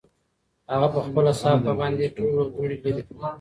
هغه په خپله صافه باندې ټول دوړې لرې کړې.